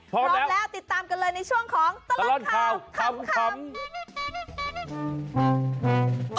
พร้อมแล้วติดตามกันเลยในช่วงของตลอดข่าวขำ